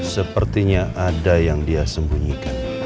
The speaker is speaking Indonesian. sepertinya ada yang dia sembunyikan